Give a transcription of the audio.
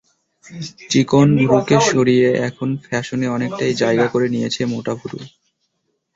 চিকন ভ্রুকে সরিয়ে এখন ফ্যাশনে অনেকটাই জায়গা করে নিয়েছে মোটা ভ্রু।